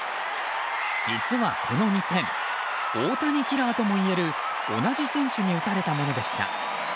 実は、この２点大谷キラーともいえる同じ選手に打たれたものでした。